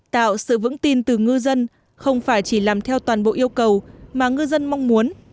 tạo sự vững tin từ ngư dân không phải chỉ làm theo toàn bộ yêu cầu mà ngư dân mong muốn